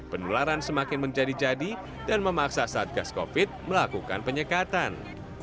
pendularan semakin menjadi jadi dan memaksa satgas covid sembilan belas melakukan penyekatan